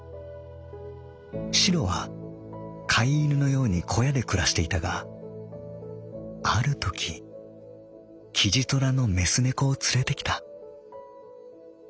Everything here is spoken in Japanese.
しろは飼い犬のように小屋で暮らしていたがあるときキジトラの雌猫を連れてきた。